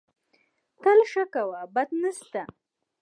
تل ښه کوه، بد نه سته